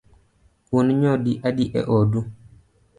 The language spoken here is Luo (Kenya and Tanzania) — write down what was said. Un nyodi adi e odu?